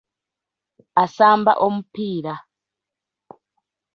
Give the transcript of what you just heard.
Asamba omupiira.